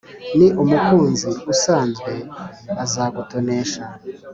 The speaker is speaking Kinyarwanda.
ni umukunzi usanze azagutonesha